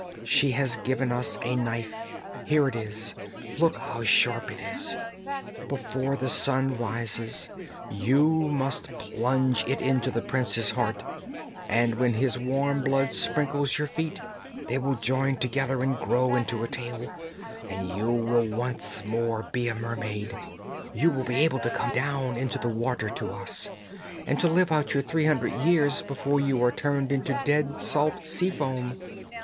She has given us a knife; here it is, look how sharp it is! Before the sun rises, you must plunge it into the prince's heart, and when his warm blood sprinkles your feet they will join together and grow into a tail, and you will once more be a mermaid; you will be able to come down into the water to us, and to live out your three hundred years before you are turned into dead, salt sea foam.